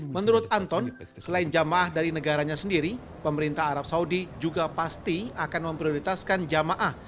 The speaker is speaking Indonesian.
menurut anton selain jamaah dari negaranya sendiri pemerintah arab saudi juga pasti akan memprioritaskan jamaah